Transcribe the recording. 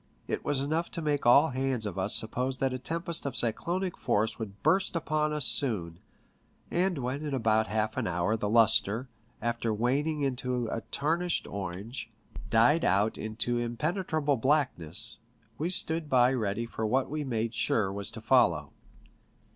It was enough to make all hands of us suppose that a tempest of cyclonic force would burst upon us soon, and when in about half an hour the lustre, after waning into a tarnished orange, died out PICTURES AT SEA, 63 into impenetrable blackness, we stood by ready for what we made sure was to follow.